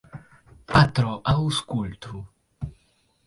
Patro, aŭskultu!